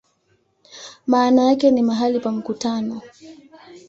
Maana yake ni "mahali pa mkutano".